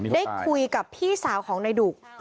ได้คุยกับพี่สาวของนายดุก